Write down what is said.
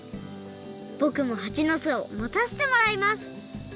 ぼくもはちの巣をもたせてもらいます